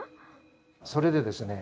それでですね